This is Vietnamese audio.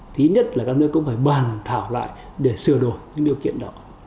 thứ nhất là các nước cũng phải bàn thảo lại để sửa đổi những điều kiện đó